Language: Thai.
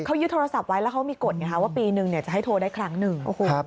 เขายึดโทรศัพท์ไว้แล้วเขามีกฎไงคะว่าปีนึงจะให้โทรได้ครั้งหนึ่ง